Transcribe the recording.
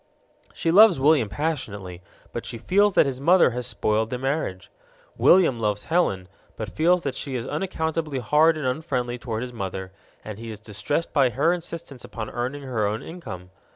She loves William passionately, but she feels that his mother has spoiled their marriage. William loves Helen, but feels that she is unaccountably hard and unfriendly toward his mother, and he is distressed by her insistence upon earning her own income.